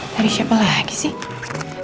dari siapa lagi sih